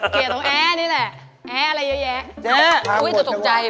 เจ๊บ้าแน่เลยไป